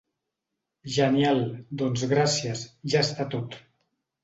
Genial, doncs gràcies, ja està tot.